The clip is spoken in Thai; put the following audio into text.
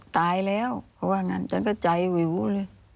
ตายแล้วเพราะว่างั้นฉันก็ใจวิวเลย